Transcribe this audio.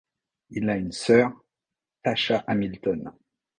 Il a une sœur, Tasha Hamilton.